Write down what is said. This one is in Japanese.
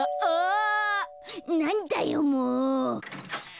なんだよもう。